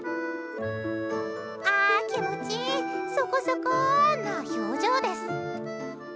あ、気持ちいいそこそこー！な表情です。